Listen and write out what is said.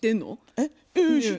えっ？